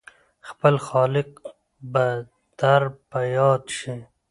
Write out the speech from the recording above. خپل خالق به در په ياد شي !